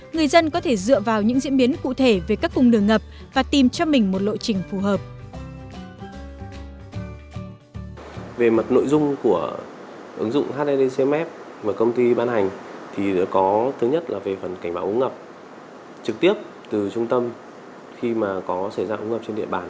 người dân có thể dựa vào những diễn biến cụ thể về các cung đường ngập và tìm cho mình một lộ trình phù hợp